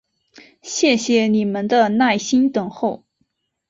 谢谢你们的耐心等候！